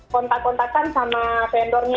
kontak kontakan sama vendornya